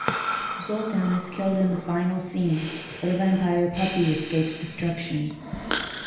Zoltan is killed in the final scene, but a vampire puppy escapes destruction.